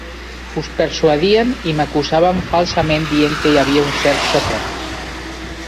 Us persuadien i m'acusaven falsament dient que hi havia un cert Sòcrates.